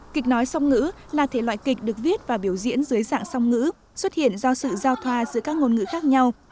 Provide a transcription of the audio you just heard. kịch nói song ngữ là thể loại kịch được viết và biểu diễn dưới dạng song ngữ xuất hiện do sự giao thoa giữa các ngôn ngữ khác nhau